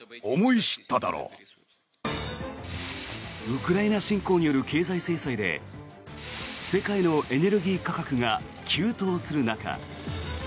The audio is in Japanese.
ウクライナ侵攻による経済制裁で世界のエネルギー価格が急騰する中